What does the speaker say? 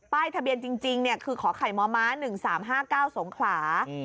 ป้ายทะเบียนจริงนี่คือขอไขม้วม้า๑๓๕๙สงขลา